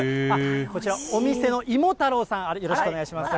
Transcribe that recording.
こちら、お店のいもたろうさん、よろしくお願いします。